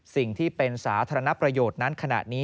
สิ่งที่เป็นสาธารณประโยชน์นั้นขณะนี้